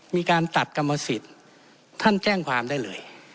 มีการตัดกรรมสิทธิ์ท่านแจ้งความได้เลย